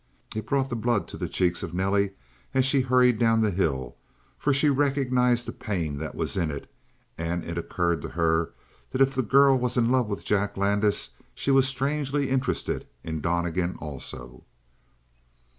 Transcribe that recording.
It brought the blood to the cheeks of Nelly as she hurried down the hill, for she recognized the pain that was in it; and it occurred to her that if the girl was in love with Jack Landis she was strangely interested in Donnegan also.